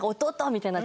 みたいな。